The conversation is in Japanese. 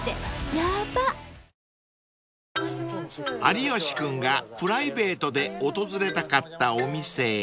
［有吉君がプライベートで訪れたかったお店へ］